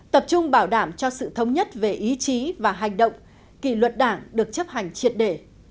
tập trung bảo đảm cho sự thống nhất về ý chí và hành động kỳ luật đảng được chấp hành triệt để